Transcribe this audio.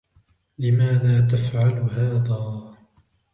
لماذا تفعل هذا ؟